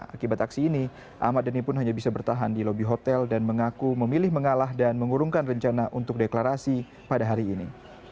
akibat aksi ini ahmad dhani pun hanya bisa bertahan di lobi hotel dan mengaku memilih mengalah dan mengurungkan rencana untuk deklarasi pada hari ini